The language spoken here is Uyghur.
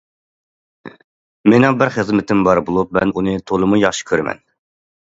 مېنىڭ بىر خىزمىتىم بار بولۇپ، مەن ئۇنى تولىمۇ ياخشى كۆرىمەن.